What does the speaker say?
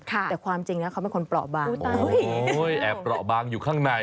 ค่ะแต่ความจริงนะเขาเป็นคนเปราะบางโอ้โฮแอบเปราะบางอยู่ข้างใน